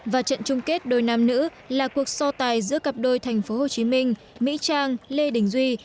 và trận chung kết đôi nam nữ là cuộc so tài giữa cặp đôi tp hcm mỹ trang lê đình duy